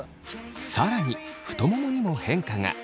更に太ももにも変化が。